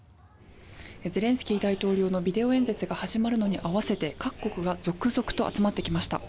ゼレンスキー大統領のビデオ演説が始まるのに合わせて各国が続々と集まってきました。